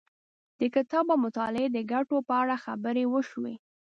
د کتاب او مطالعې د ګټو په اړه خبرې وشوې.